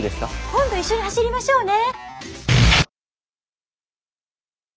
今度一緒に走りましょうね。